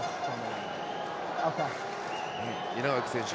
稲垣選手